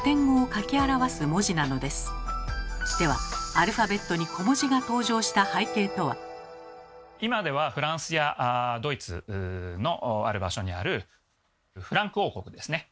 ではアルファベットに今ではフランスやドイツのある場所にあるフランク王国ですね